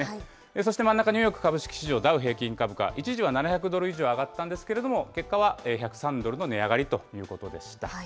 そして真ん中ニューヨーク株式市場ダウ平均株価、一時は７００ドル以上上がったんですけれども、結果は１０３ドルの値上がりということでした。